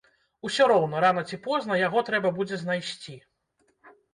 Усе роўна рана ці позна яго трэба будзе знайсці.